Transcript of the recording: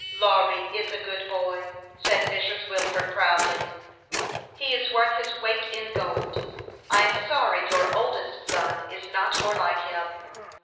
"Lawry is a good boy," said Mrs. Wilford, proudly. " He is worth his weight in gold. I am sorry your oldest son is not more like him."